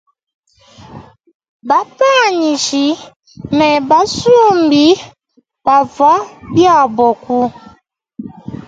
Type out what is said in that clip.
Bapanyishi ne basumbi bavwa biabo ku.